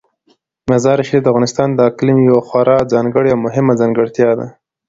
مزارشریف د افغانستان د اقلیم یوه خورا ځانګړې او مهمه ځانګړتیا ده.